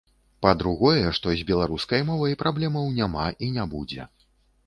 Па-другое, што з беларускай мовай праблемаў няма і не будзе.